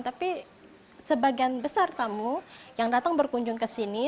tapi sebagian besar tamu yang datang berkunjung ke sini